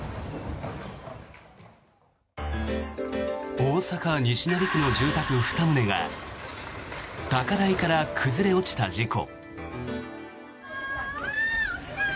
大阪・西成区の住宅２棟が高台から崩れ落ちた事故。